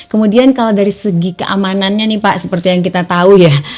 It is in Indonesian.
kemudian kalau dari segi keamanannya nih pak seperti yang kita tahu ya